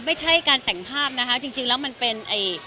ไม่ใช่การแต่งภาพนะคะจริงแล้วมันเป็นไอ้